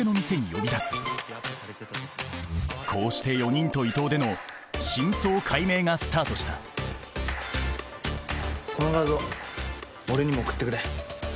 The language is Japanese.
こうして４人と伊藤での真相解明がスタートしたこの画像俺にも送ってくれ。